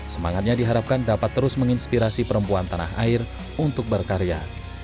semangatnya diharapkan dapat terus menginspirasi perempuan tanah air untuk berkarya